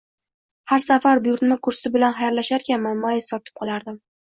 Har safar buyurtma kursi bilan xayrlasharkanman, ma`yus tortib qolardim